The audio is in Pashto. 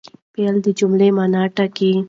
فعل د جملې مانا ټاکي.